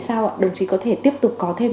sao ạ đồng chí có thể tiếp tục có thêm